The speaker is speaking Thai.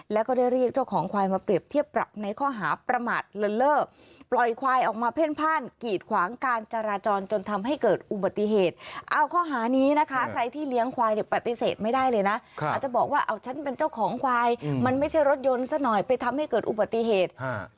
และก็ได้เรียกเจ้าของขวายมาเปรียบเทียบปรับในข้อหาประหมดละเลิศ